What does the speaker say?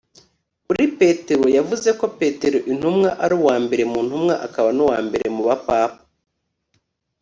kuri petero, yavuze ko petero intumwa ari uwa mbere mu ntumwa akaba n'uwa mbere mu ba papa